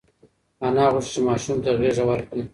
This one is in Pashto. انا غوښتل چې ماشوم ته غېږه ورکړي.